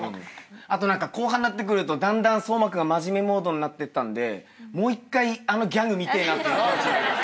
あと何か後半になってくるとだんだん颯真君が真面目モードになってったんでもう１回あのギャグ見てえなっていう気持ちが。